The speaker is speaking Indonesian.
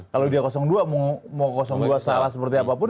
kalau dia dua mau dua salah seperti apapun